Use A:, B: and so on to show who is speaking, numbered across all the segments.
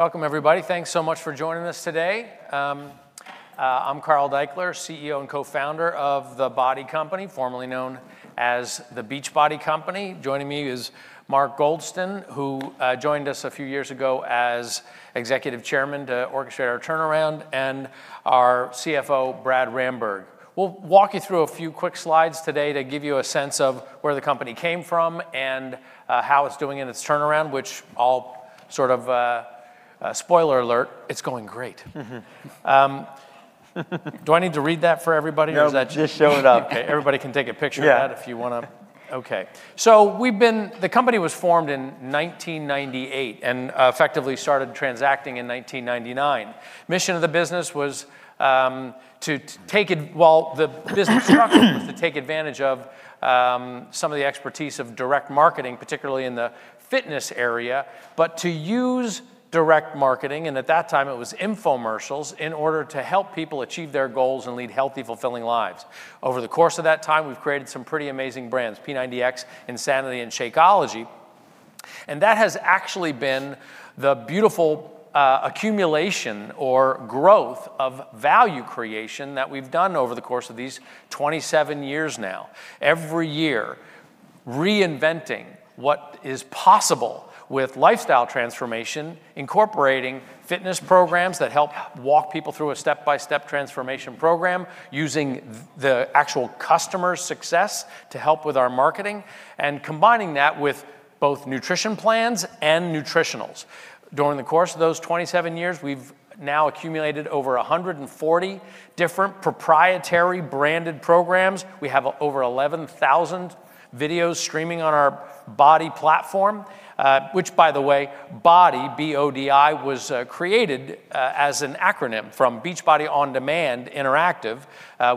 A: Welcome, everybody. Thanks so much for joining us today. I'm Carl Daikeler, CEO and co-founder of The BODi Company, formerly known as The Beachbody Company. Joining me is Mark Goldston, who joined us a few years ago as Executive Chairman to orchestrate our turnaround, and our CFO, Brad Ramberg. We'll walk you through a few quick slides today to give you a sense of where the company came from and how it's doing in its turnaround, which I'll sort of spoiler alert, it's going great. Do I need to read that for everybody?
B: No, just show it up.
A: OK, everybody can take a picture of that if you want to. OK, so the company was formed in 1998 and effectively started transacting in 1999. The mission of the business was to take it while the business struggled to take advantage of some of the expertise of direct marketing, particularly in the fitness area, but to use direct marketing, and at that time it was infomercials, in order to help people achieve their goals and lead healthy, fulfilling lives. Over the course of that time, we've created some pretty amazing brands, P90X, Insanity, and Shakeology. And that has actually been the beautiful accumulation or growth of value creation that we've done over the course of these 27 years now, every year reinventing what is possible with lifestyle transformation, incorporating fitness programs that help walk people through a step-by-step transformation program, using the actual customer's success to help with our marketing, and combining that with both nutrition plans and nutritionals. During the course of those 27 years, we've now accumulated over 140 different proprietary branded programs. We have over 11,000 videos streaming on our BODi platform, which, by the way, BODi, B-O-D-I, was created as an acronym from Beachbody On Demand Interactive.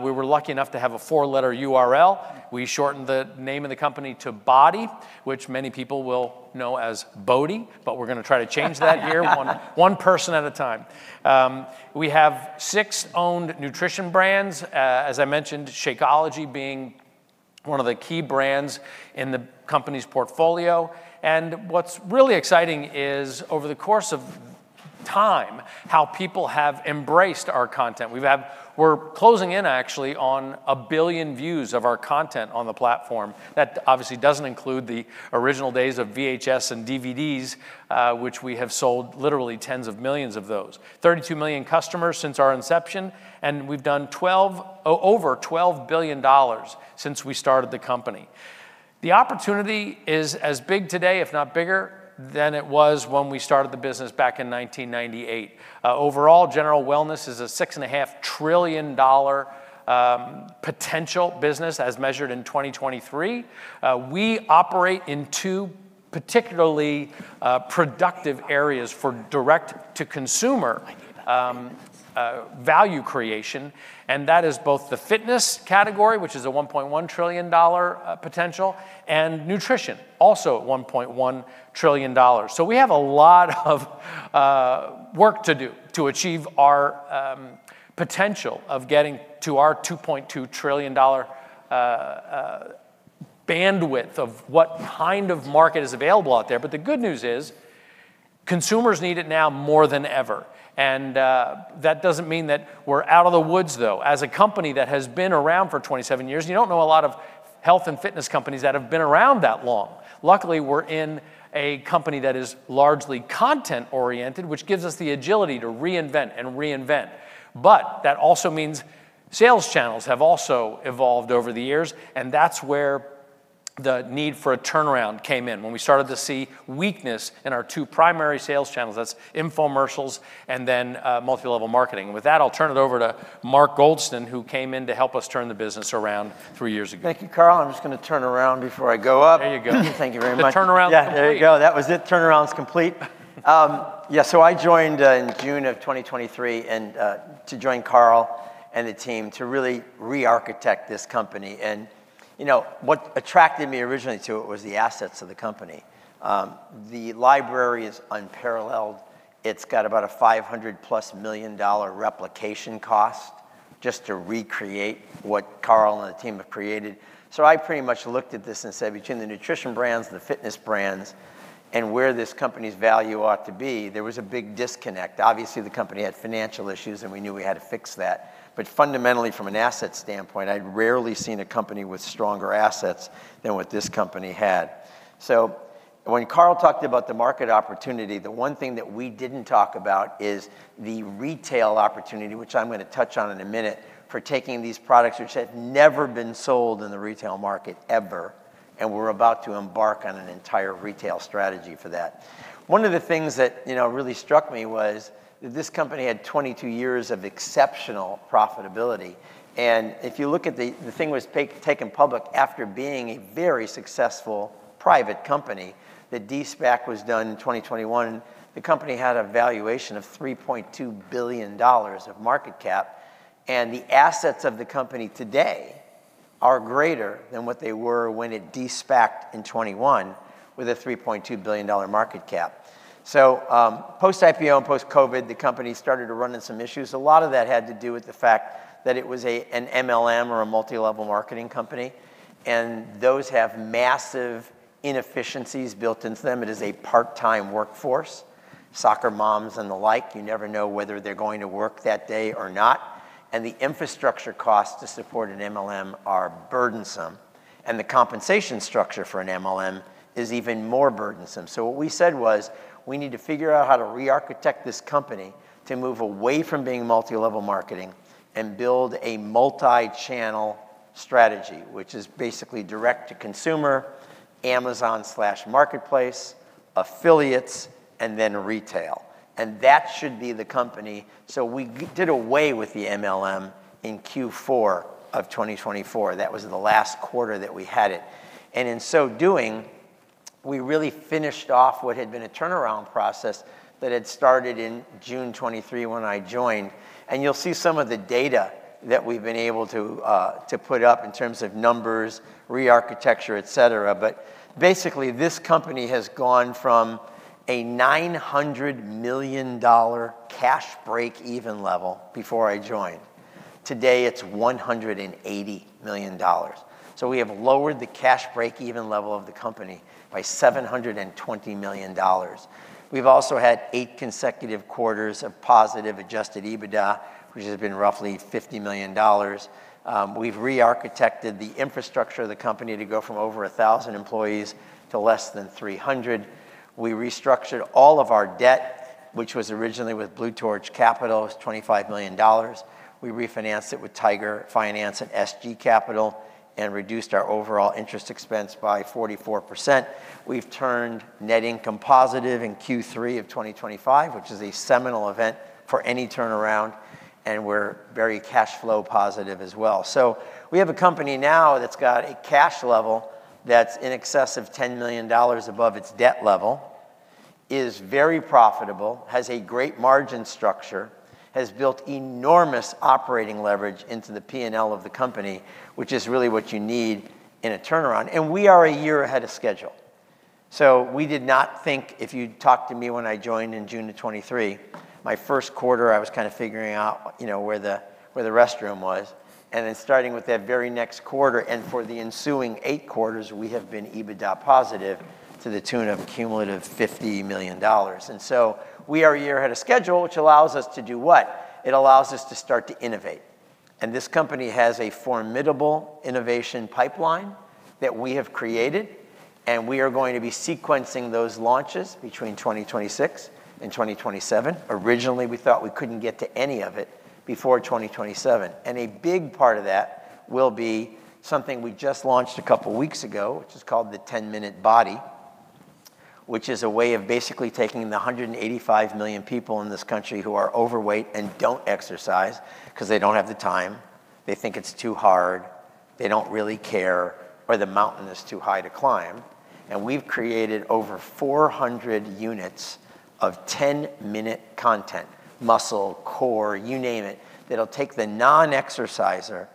A: We were lucky enough to have a four-letter URL. We shortened the name of the company to BODi, which many people will know as BODi, but we're going to try to change that here, one person at a time. We have six owned nutrition brands, as I mentioned, Shakeology being one of the key brands in the company's portfolio and what's really exciting is, over the course of time, how people have embraced our content. We're closing in, actually, on a billion views of our content on the platform. That obviously doesn't include the original days of VHS and DVDs, which we have sold literally tens of millions of those. 32 million customers since our inception, and we've done over $12 billion since we started the company. The opportunity is as big today, if not bigger, than it was when we started the business back in 1998. Overall, general wellness is a $6.5 trillion potential business as measured in 2023. We operate in two particularly productive areas for direct-to-consumer value creation, and that is both the fitness category, which is a $1.1 trillion potential, and nutrition, also at $1.1 trillion, so we have a lot of work to do to achieve our potential of getting to our $2.2 trillion bandwidth of what kind of market is available out there, but the good news is consumers need it now more than ever, and that doesn't mean that we're out of the woods, though. As a company that has been around for 27 years, you don't know a lot of health and fitness companies that have been around that long. Luckily, we're in a company that is largely content-oriented, which gives us the agility to reinvent and reinvent. But that also means sales channels have also evolved over the years, and that's where the need for a turnaround came in when we started to see weakness in our two primary sales channels. That's infomercials and then multi-level marketing. With that, I'll turn it over to Mark Goldston, who came in to help us turn the business around three years ago.
B: Thank you, Carl. I'm just going to turn around before I go up.
A: There you go.
B: Thank you very much.
A: Turn around.
B: Yeah, there you go. That was it. Turnaround's complete. Yeah, so I joined in June of 2023 to join Carl and the team to really re-architect this company and what attracted me originally to it was the assets of the company. The library is unparalleled. It's got about a $500+ million replication cost just to recreate what Carl and the team have created so I pretty much looked at this and said, between the nutrition brands, the fitness brands, and where this company's value ought to be, there was a big disconnect. Obviously, the company had financial issues, and we knew we had to fix that but fundamentally, from an asset standpoint, I'd rarely seen a company with stronger assets than what this company had. So when Carl talked about the market opportunity, the one thing that we didn't talk about is the retail opportunity, which I'm going to touch on in a minute, for taking these products which had never been sold in the retail market ever, and we're about to embark on an entire retail strategy for that. One of the things that really struck me was that this company had 22 years of exceptional profitability. And if you look at the thing was taken public after being a very successful private company. The de-SPAC was done in 2021. The company had a valuation of $3.2 billion of market cap. And the assets of the company today are greater than what they were when it de-SPACed in 2021 with a $3.2 billion market cap. So post-IPO and post-COVID, the company started to run into some issues. A lot of that had to do with the fact that it was an MLM or a multi-level marketing company, and those have massive inefficiencies built into them. It is a part-time workforce. Soccer moms and the like, you never know whether they're going to work that day or not. And the infrastructure costs to support an MLM are burdensome, and the compensation structure for an MLM is even more burdensome, so what we said was, we need to figure out how to re-architect this company to move away from being multi-level marketing and build a multi-channel strategy, which is basically direct-to-consumer, Amazon/Marketplace, affiliates, and then retail, and that should be the company, so we did away with the MLM in Q4 of 2024. That was the last quarter that we had it. In so doing, we really finished off what had been a turnaround process that had started in June 2023 when I joined. You'll see some of the data that we've been able to put up in terms of numbers, re-architecture, et cetera. Basically, this company has gone from a $900 million cash break-even level before I joined. Today, it's $180 million. We have lowered the cash break-even level of the company by $720 million. We've also had eight consecutive quarters of positive adjusted EBITDA, which has been roughly $50 million. We've re-architected the infrastructure of the company to go from over 1,000 employees to less than 300. We restructured all of our debt, which was originally with Blue Torch Capital, $25 million. We refinanced it with Tiger Finance and SG Capital and reduced our overall interest expense by 44%. We've turned net income positive in Q3 of 2025, which is a seminal event for any turnaround. And we're very cash flow positive as well. So we have a company now that's got a cash level that's in excess of $10 million above its debt level, is very profitable, has a great margin structure, has built enormous operating leverage into the P&L of the company, which is really what you need in a turnaround. And we are a year ahead of schedule. So we did not think, if you talked to me when I joined in June of 2023, my first quarter, I was kind of figuring out where the restroom was. And then starting with that very next quarter and for the ensuing eight quarters, we have been EBITDA positive to the tune of a cumulative $50 million. We are a year ahead of schedule, which allows us to do what? It allows us to start to innovate. This company has a formidable innovation pipeline that we have created. We are going to be sequencing those launches between 2026 and 2027. Originally, we thought we couldn't get to any of it before 2027. A big part of that will be something we just launched a couple of weeks ago, which is called the 10-Minute BODi, which is a way of basically taking the 185 million people in this country who are overweight and don't exercise because they don't have the time, they think it's too hard, they don't really care, or the mountain is too high to climb. We've created over 400 units of 10-minute content, muscle, core, you name it, that'll take the non-exerciser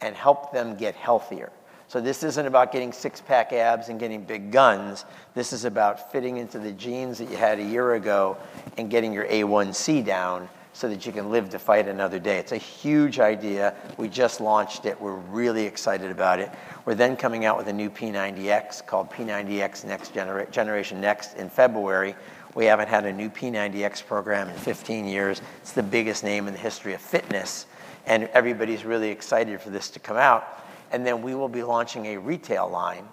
B: and help them get healthier. This isn't about getting six-pack abs and getting big guns. This is about fitting into the jeans that you had a year ago and getting your A1C down so that you can live to fight another day. It's a huge idea. We just launched it. We're really excited about it. We're then coming out with a new P90X called P90X Generation Next in February. We haven't had a new P90X program in 15 years. It's the biggest name in the history of fitness. Everybody's really excited for this to come out. We will be launching a retail line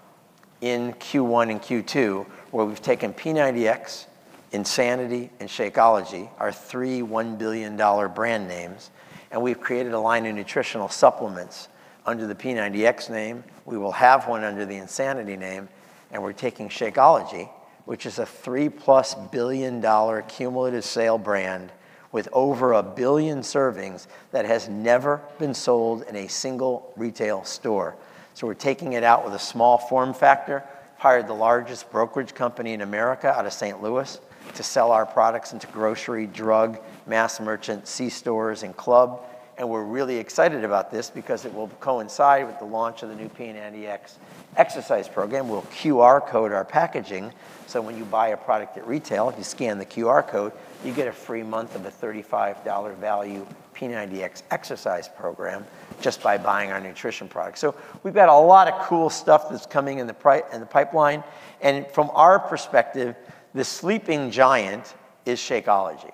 B: in Q1 and Q2 where we've taken P90X, Insanity, and Shakeology, our three $1 billion brand names. We've created a line of nutritional supplements under the P90X name. We will have one under the Insanity name. We're taking Shakeology, which is a $3+ billion cumulative sales brand with over a billion servings that has never been sold in a single retail store. So we're taking it out with a small form factor, hired the largest brokerage company in America out of St. Louis to sell our products into grocery, drug, mass merchant, c-stores, and club. We're really excited about this because it will coincide with the launch of the new P90X exercise program. We'll QR code our packaging. So when you buy a product at retail, if you scan the QR code, you get a free month of a $35 value P90X exercise program just by buying our nutrition product. We've got a lot of cool stuff that's coming in the pipeline. From our perspective, the sleeping giant is Shakeology.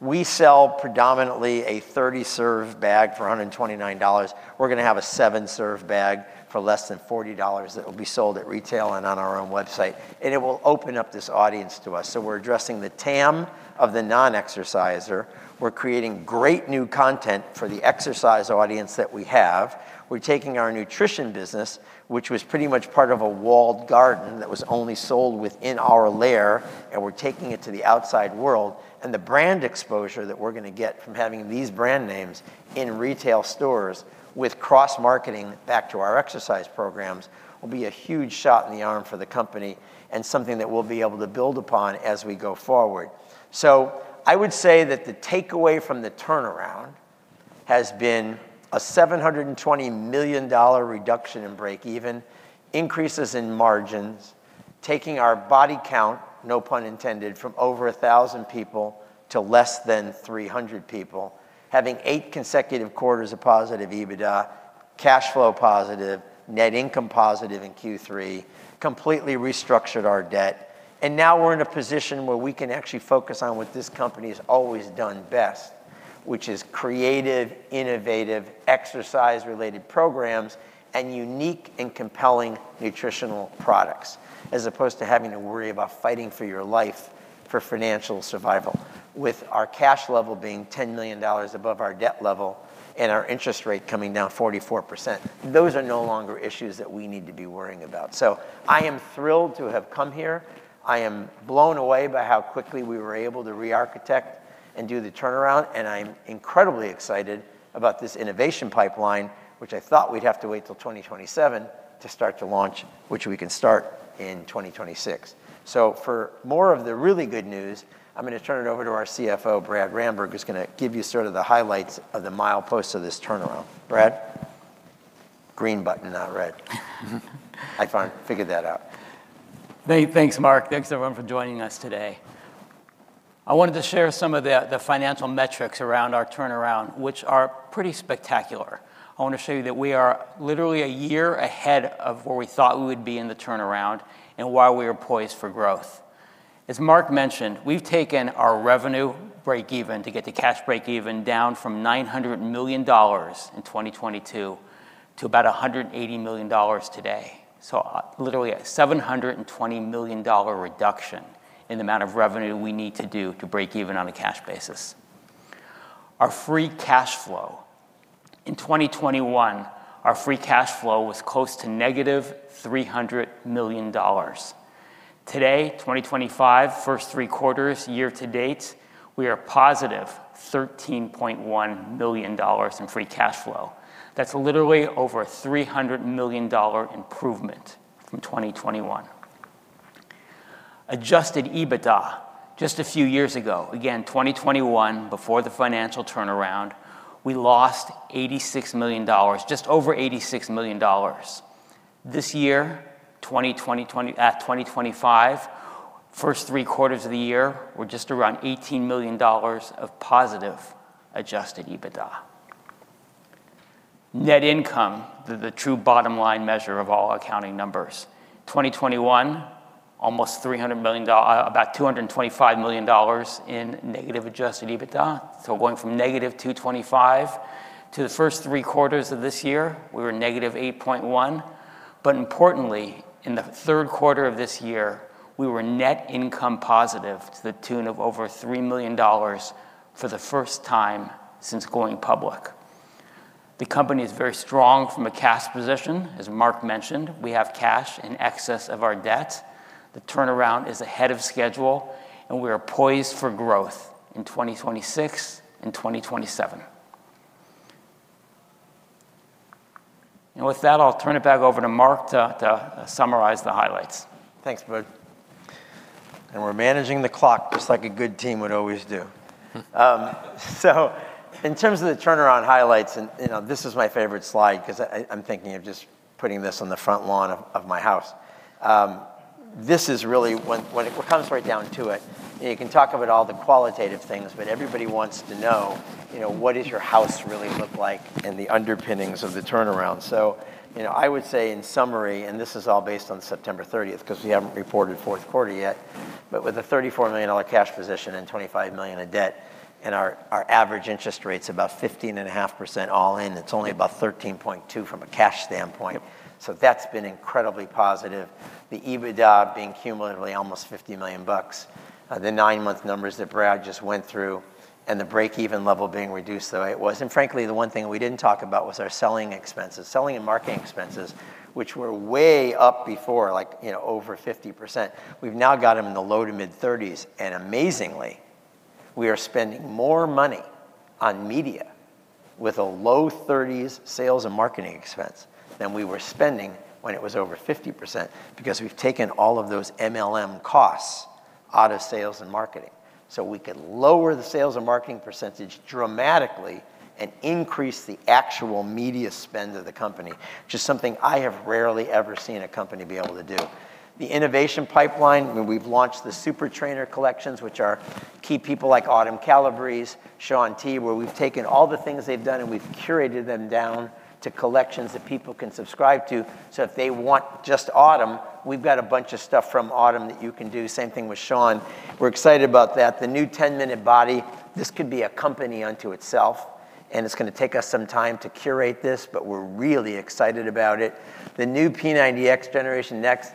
B: We sell predominantly a 30-serve bag for $129. We're going to have a 7-serve bag for less than $40 that will be sold at retail and on our own website, and it will open up this audience to us, so we're addressing the TAM of the non-exerciser. We're creating great new content for the exercise audience that we have. We're taking our nutrition business, which was pretty much part of a walled garden that was only sold within our layer, and we're taking it to the outside world, and the brand exposure that we're going to get from having these brand names in retail stores with cross-marketing back to our exercise programs will be a huge shot in the arm for the company and something that we'll be able to build upon as we go forward. So I would say that the takeaway from the turnaround has been a $720 million reduction in break-even, increases in margins, taking our body count, no pun intended, from over 1,000 people to less than 300 people, having eight consecutive quarters of positive EBITDA, cash flow positive, net income positive in Q3, completely restructured our debt. And now we're in a position where we can actually focus on what this company has always done best, which is creative, innovative, exercise-related programs, and unique and compelling nutritional products, as opposed to having to worry about fighting for your life for financial survival, with our cash level being $10 million above our debt level and our interest rate coming down 44%. Those are no longer issues that we need to be worrying about. So I am thrilled to have come here. I am blown away by how quickly we were able to re-architect and do the turnaround, and I'm incredibly excited about this innovation pipeline, which I thought we'd have to wait till 2027 to start to launch, which we can start in 2026, so for more of the really good news, I'm going to turn it over to our CFO, Brad Ramberg, who's going to give you sort of the highlights of the milestones of this turnaround. Brad? Green button, not red. I figured that out.
C: Thanks, Mark. Thanks everyone for joining us today. I wanted to share some of the financial metrics around our turnaround, which are pretty spectacular. I want to show you that we are literally a year ahead of where we thought we would be in the turnaround and why we are poised for growth. As Mark mentioned, we've taken our revenue break-even to get the cash break-even down from $900 million in 2022 to about $180 million today. So literally a $720 million reduction in the amount of revenue we need to do to break even on a cash basis. Our free cash flow. In 2021, our free cash flow was close to negative $300 million. Today, 2025, first three quarters, year to date, we are positive $13.1 million in free cash flow. That's literally over a $300 million improvement from 2021. Adjusted EBITDA. Just a few years ago, again, 2021, before the financial turnaround, we lost $86 million, just over $86 million. This year, 2025, first three quarters of the year, we're just around $18 million of positive Adjusted EBITDA. Net income, the true bottom line measure of all accounting numbers. 2021, almost $300 million, about $225 million in negative Adjusted EBITDA. So going from negative 225 to the first three quarters of this year, we were negative 8.1. But importantly, in the third quarter of this year, we were net income positive to the tune of over $3 million for the first time since going public. The company is very strong from a cash position, as Mark mentioned. We have cash in excess of our debt. The turnaround is ahead of schedule, and we are poised for growth in 2026 and 2027. With that, I'll turn it back over to Mark to summarize the highlights.
B: Thanks, Brad. And we're managing the clock just like a good team would always do. So in terms of the turnaround highlights, and this is my favorite slide because I'm thinking of just putting this on the front lawn of my house. This is really what comes right down to it. You can talk about all the qualitative things, but everybody wants to know what does your house really look like and the underpinnings of the turnaround. So I would say in summary, and this is all based on September 30th because we haven't reported fourth quarter yet, but with a $34 million cash position and $25 million of debt and our average interest rate's about 15.5% all in, it's only about 13.2% from a cash standpoint. So that's been incredibly positive. The EBITDA being cumulatively almost $50 million, the nine-month numbers that Brad just went through, and the break-even level being reduced the way it was. Frankly, the one thing we didn't talk about was our selling expenses, selling and marketing expenses, which were way up before, like over 50%. We've now got them in the low-to-mid-30s. Amazingly, we are spending more money on media with a low-30s sales and marketing expense than we were spending when it was over 50% because we've taken all of those MLM costs out of sales and marketing. So we could lower the sales and marketing percentage dramatically and increase the actual media spend of the company, which is something I have rarely ever seen a company be able to do. The innovation pipeline, when we've launched the Super Trainer Collections, which are key people like Autumn Calabrese, Shaun T, where we've taken all the things they've done and we've curated them down to collections that people can subscribe to. So if they want just Autumn, we've got a bunch of stuff from Autumn that you can do. Same thing with Shaun. We're excited about that. The new 10-Minute BODi, this could be a company unto itself. And it's going to take us some time to curate this, but we're really excited about it. The new P90X Generation Next,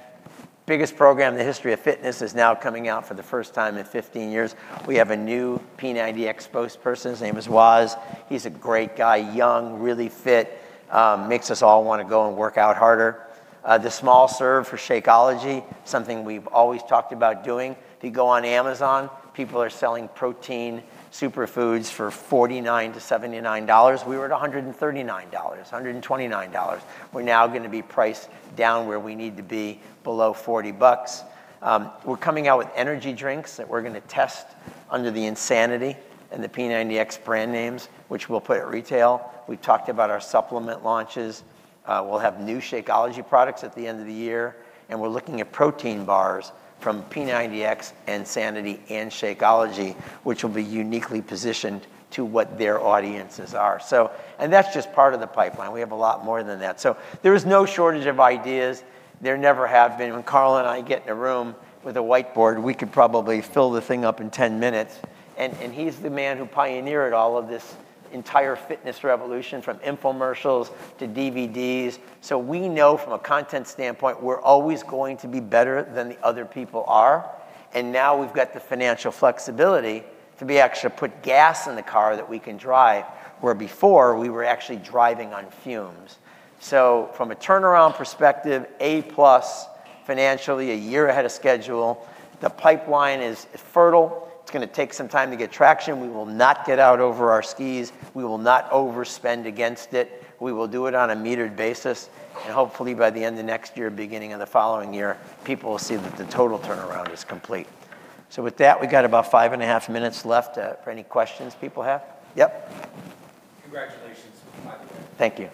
B: biggest program in the history of fitness, is now coming out for the first time in 15 years. We have a new P90X spokesperson. His name is Waz. He's a great guy, young, really fit, makes us all want to go and work out harder. The small serve for Shakeology, something we've always talked about doing. If you go on Amazon, people are selling protein superfoods for $49-$79. We were at $139, $129. We're now going to be priced down where we need to be below 40 bucks. We're coming out with energy drinks that we're going to test under the Insanity and the P90X brand names, which we'll put at retail. We've talked about our supplement launches. We'll have new Shakeology products at the end of the year, and we're looking at protein bars from P90X, Insanity, and Shakeology, which will be uniquely positioned to what their audiences are. And that's just part of the pipeline. We have a lot more than that. So there is no shortage of ideas. There never have been. When Carl and I get in a room with a whiteboard, we could probably fill the thing up in 10 minutes. And he's the man who pioneered all of this entire fitness revolution from infomercials to DVDs. So we know from a content standpoint, we're always going to be better than the other people are. And now we've got the financial flexibility to be actually put gas in the car that we can drive, where before we were actually driving on fumes. So from a turnaround perspective, A-plus financially, a year ahead of schedule. The pipeline is fertile. It's going to take some time to get traction. We will not get out over our skis. We will not overspend against it. We will do it on a metered basis. And hopefully by the end of next year, beginning of the following year, people will see that the total turnaround is complete. So with that, we've got about five and a half minutes left for any questions people have. Yep. Congratulations on the pipeline. Thank you.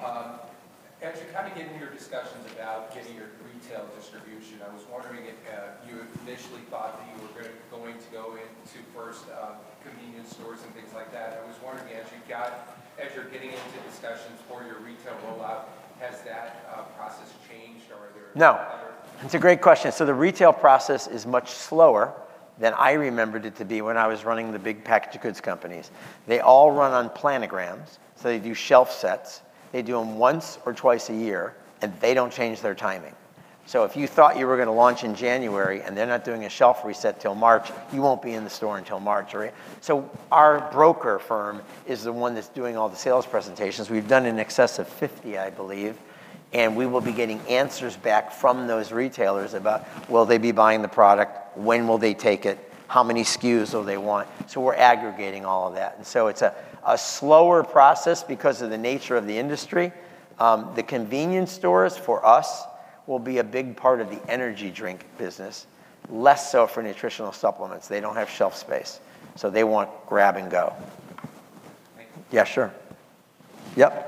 B: As you're kind of getting your discussions about getting your retail distribution, I was wondering if you initially thought that you were going to go into first convenience stores and things like that. I was wondering as you're getting into discussions for your retail rollout, has that process changed? No. It's a great question. So the retail process is much slower than I remembered it to be when I was running the big packaged goods companies. They all run on planograms. So they do shelf sets. They do them once or twice a year, and they don't change their timing. So if you thought you were going to launch in January and they're not doing a shelf reset till March, you won't be in the store until March. So our broker firm is the one that's doing all the sales presentations. We've done in excess of 50, I believe. And we will be getting answers back from those retailers about, will they be buying the product? When will they take it? How many SKUs will they want? So we're aggregating all of that. And so it's a slower process because of the nature of the industry. The convenience stores for us will be a big part of the energy drink business, less so for nutritional supplements. They don't have shelf space, so they want grab and go. Yeah, sure. Yep.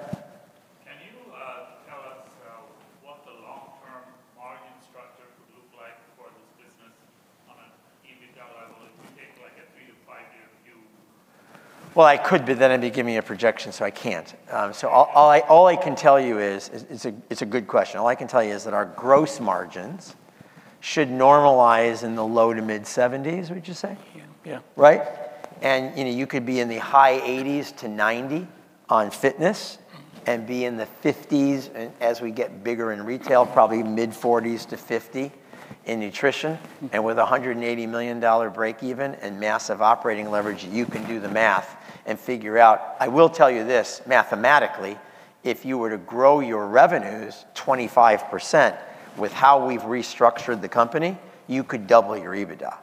B: Can you tell us what the long-term margin structure could look like for this business on an EBITDA level? If you take like a three to five-year view. I could, but then I'd be giving you a projection, so I can't. So all I can tell you is it's a good question. All I can tell you is that our gross margins should normalize in the low- to mid-70s, would you say?
C: Yeah.
B: Right? And you could be in the high 80s to 90% on fitness and be in the 50s% as we get bigger in retail, probably mid-40s to 50% in nutrition. And with a $180 million break-even and massive operating leverage, you can do the math and figure out. I will tell you this mathematically. If you were to grow your revenues 25% with how we've restructured the company, you could double your EBITDA.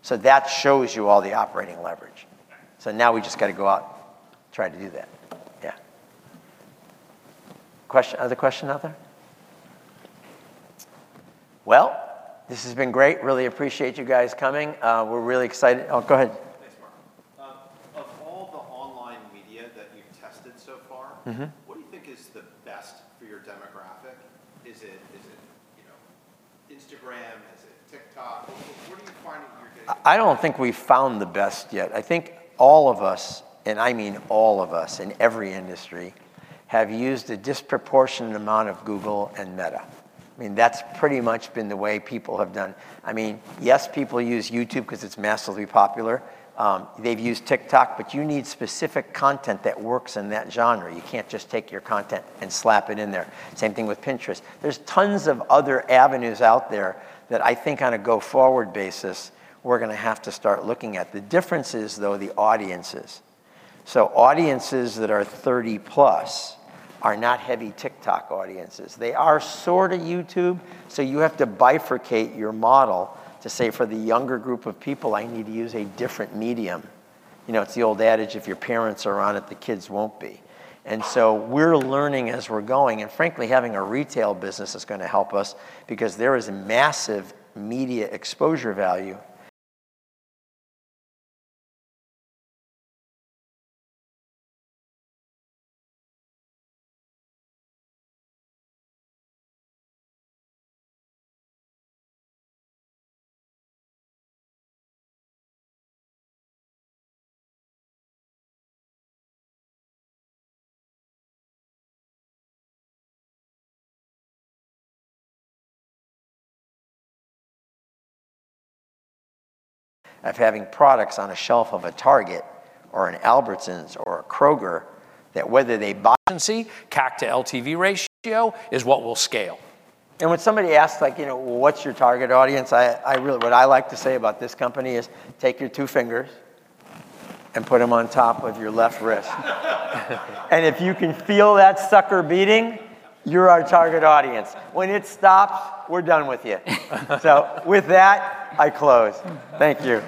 B: So that shows you all the operating leverage. So now we just got to go out and try to do that. Yeah. Question? Other question out there? Well, this has been great. Really appreciate you guys coming. We're really excited. Oh, go ahead. Thanks, Mark. Of all the online media that you've tested so far, what do you think is the best for your demographic? Is it Instagram? Is it TikTok? What are you finding here today? I don't think we've found the best yet. I think all of us, and I mean all of us in every industry, have used a disproportionate amount of Google and Meta. I mean, that's pretty much been the way people have done. I mean, yes, people use YouTube because it's massively popular. They've used TikTok, but you need specific content that works in that genre. You can't just take your content and slap it in there. Same thing with Pinterest. There's tons of other avenues out there that I think on a go-forward basis, we're going to have to start looking at. The difference is, though, the audiences. So audiences that are 30+ are not heavy TikTok audiences. They are sort of YouTube. So you have to bifurcate your model to say, for the younger group of people, I need to use a different medium. It's the old adage, if your parents are on it, the kids won't be. And so we're learning as we're going. And frankly, having a retail business is going to help us because there is massive media exposure value of having products on a shelf of a Target or an Albertsons or a Kroger that whether they buy. Agency, CAC to LTV ratio is what will scale. And when somebody asks, like, you know, what's your target audience, what I like to say about this company is take your two fingers and put them on top of your left wrist. And if you can feel that sucker beating, you're our target audience. When it stops, we're done with you. So with that, I close. Thank you.